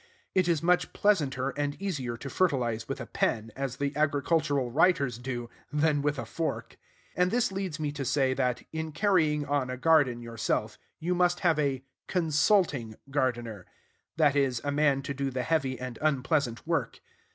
It is much pleasanter and easier to fertilize with a pen, as the agricultural writers do, than with a fork. And this leads me to say, that, in carrying on a garden yourself, you must have a "consulting" gardener; that is, a man to do the heavy and unpleasant work.